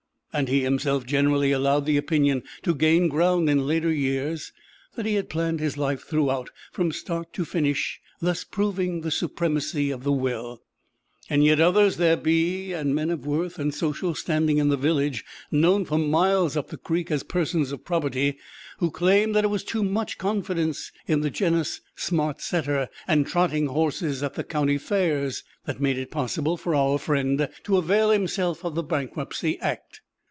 And he himself generally allowed the opinion to gain ground in later years that he had planned his life throughout, from start to finish, thus proving the supremacy of the will. Yet others there be, and men of worth and social standing in the village known for miles up the creek as persons of probity who claim that it was too much confidence in the Genus Smart Setter, and trotting horses at the County Fairs, that made it possible for our friend to avail himself of the Bankruptcy Act.